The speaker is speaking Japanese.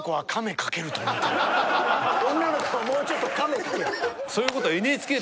「女の子はもうちょっとカメ」。